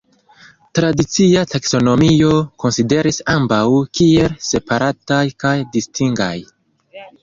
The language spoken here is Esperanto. Tradicia taksonomio konsideris ambaŭ kiel separataj kaj distingaj.